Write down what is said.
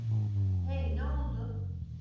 Hey, ne oldu?